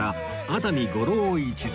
熱海五郎一座